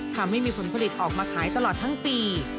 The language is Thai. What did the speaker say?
ทำให้มีผลผลิตออกมาขายตลอดทั้งปี